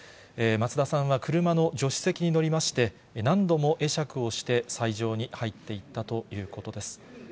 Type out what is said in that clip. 松田さんは車の助手席に乗りまして、何度も会釈をして斎場に入っていったということです。